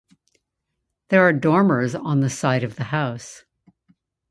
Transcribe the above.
There are dormers on the side of the house.